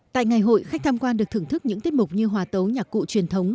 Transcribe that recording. tại ngày hội khách tham quan được thưởng thức những tiết mục như hòa tấu nhạc cụ truyền thống